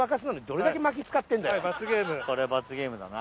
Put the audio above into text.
れ罰ゲームだな。